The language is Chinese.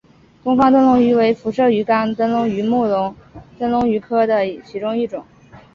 东方灯笼鱼为辐鳍鱼纲灯笼鱼目灯笼鱼科的其中一种。